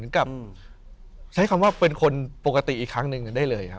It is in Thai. กับใช้คำว่าเป็นคนปกติอีกครั้งหนึ่งได้เลยครับ